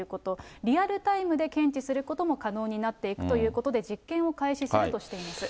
リアルタイムで検知することも可能になっていくということで、実験を開始するとしています。